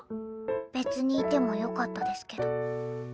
別にいてもよかったですけど。